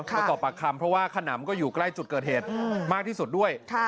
มาสอบปากคำเพราะว่าขนำก็อยู่ใกล้จุดเกิดเหตุมากที่สุดด้วย